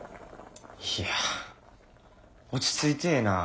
いや落ち着いてえな。